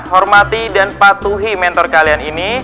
hormati dan patuhi mentor kalian ini